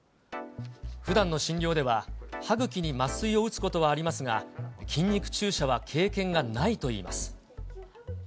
ふだんの診療では、歯茎に麻酔を打つことはありますが、筋肉注射は経験がないといいます。